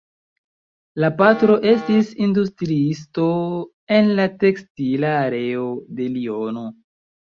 La patro estis industriisto en la tekstila areo de Liono.